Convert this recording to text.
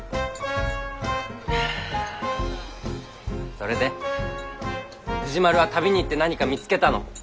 それで藤丸は旅に行って何か見つけたの？